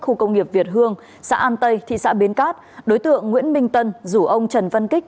khu công nghiệp việt hương xã an tây thị xã bến cát đối tượng nguyễn minh tân rủ ông trần văn kích